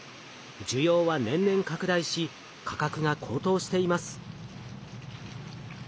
需要は年々拡大し価格が高騰しています。